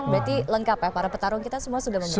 berarti lengkap ya para petarung kita semua sudah memiliki